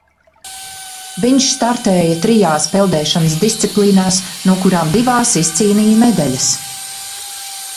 Viņš startēja trijās peldēšanas disciplīnās, no kurām divās izcīnīja medaļas.